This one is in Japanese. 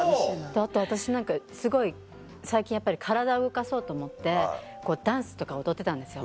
あと私すごい最近やっぱり体動かそうと思ってダンスとか踊ってたんですよ。